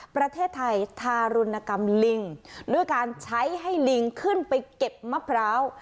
ประเทศไทยทารุณกรรมลิงด้วยการใช้ให้ลิงขึ้นไปเก็บมะพร้าว